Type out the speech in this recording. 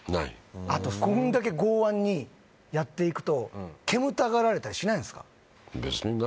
あとこんだけ剛腕にやっていくと煙たがられたりしないんすか？